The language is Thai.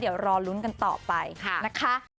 เดี๋ยวรอลุ้นกันต่อไปนะคะ